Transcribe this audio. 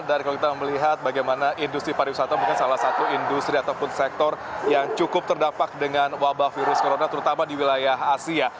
dan kalau kita melihat bagaimana industri pariwisata mungkin salah satu industri ataupun sektor yang cukup terdampak dengan wabah virus corona terutama di wilayah asia